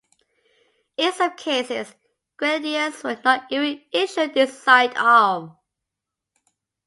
In some cases, grenadiers were not even issued this sidearm.